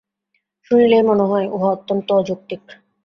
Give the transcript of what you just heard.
শুনিলেই মনে হয়, উহা অত্যন্ত অযৌক্তিক।